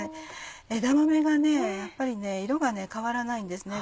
枝豆がやっぱり色が変わらないんですね